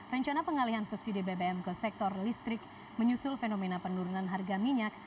rencana pengalihan subsidi bbm ke sektor listrik menyusul fenomena penurunan harga minyak